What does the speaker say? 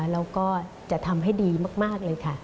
แล้วก็จะทำให้ดีมากเลยค่ะ